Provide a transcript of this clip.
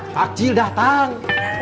pak cil datang